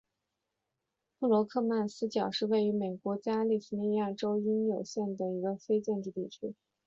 布罗克曼斯角是位于美国加利福尼亚州因约县的一个非建制地区。